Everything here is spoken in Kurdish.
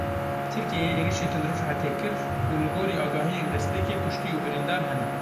Tirkiyeyê êrişî Til Rifetê kir û li gorî agahiyên destpêkê kuştî û birîndar hene.